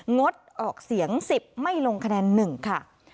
งดออกเสียงสิบไม่ลงคะแนนหนึ่งค่ะ